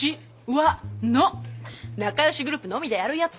仲よしグループのみでやるやつ。